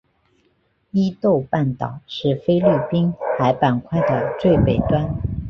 伊豆半岛是菲律宾海板块的最北端。